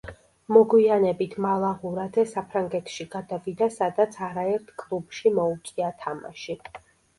მოგვიანებით მალაღურაძე საფრანგეთში გადავიდა, სადაც არაერთ კლუბში მოუწია თამაში.